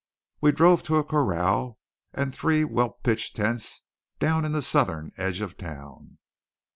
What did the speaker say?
We drove to a corral and three well pitched tents down in the southern edge of town.